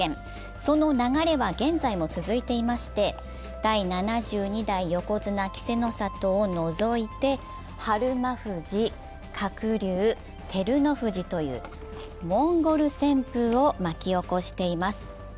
その流れは現在も続いていまして、第７２代横綱・稀勢の里を除いて、日馬富士、鶴竜、照ノ富士というモンゴル旋風を巻き起こしています。